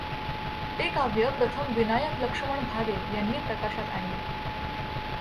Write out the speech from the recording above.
ते काव्य प्रथम विनायक लक्ष्मण भावे यांनी प्रकाशात आणले.